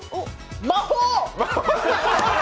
魔法！